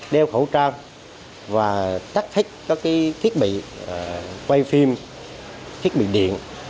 đeo khẩu trang và cắt thích các thiết bị quay phim thiết bị điện